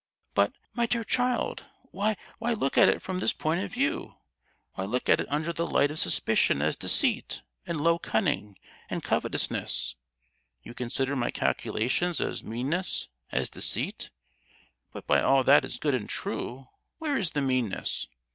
"But, my dear child, why, why look at it from this point of view? Why look at it under the light of suspicion as deceit, and low cunning, and covetousness? You consider my calculations as meanness, as deceit; but, by all that is good and true, where is the meanness?